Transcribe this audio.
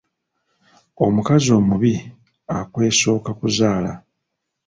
Omukazi omubi akwesooka kuzaala.